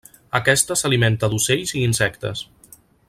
Aquesta s'alimenta d'ocells i insectes.